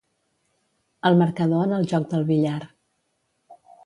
El marcador en el joc del billar.